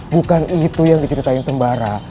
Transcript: bukan itu yang diceritain sembara